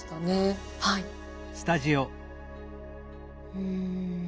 うん。